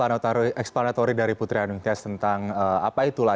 oke terima kasih